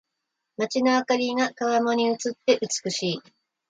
街の灯りが川面に映って美しい。